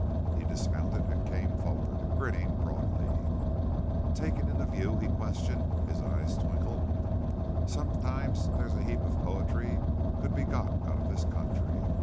He dismounted and came forward, grinning broadly. "Takin' the view?" he questioned. His eyes twinkled. "Sometimes there's a heap of poetry could be got out of this county.